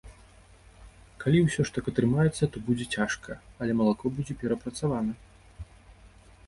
Калі усё ж так атрымаецца, то будзе цяжка, але малако будзе перапрацавана.